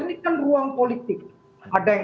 ini kan ruang politik ada yang